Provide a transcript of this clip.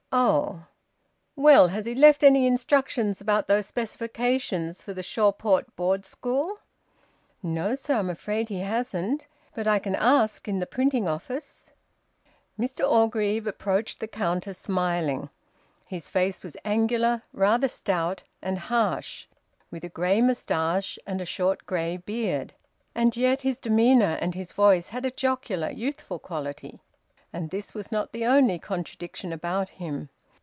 "Oh! Well! Has he left any instructions about those specifications for the Shawport Board School?" "No, sir. I'm afraid he hasn't. But I can ask in the printing office." Mr Orgreave approached the counter, smiling. His face was angular, rather stout, and harsh, with a grey moustache and a short grey beard, and yet his demeanour and his voice had a jocular, youthful quality. And this was not the only contradiction about him.